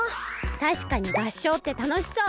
たしかに合唱ってたのしそう！